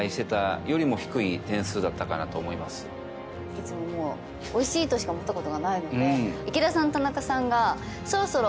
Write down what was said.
いつももう美味しいとしか思った事がないので。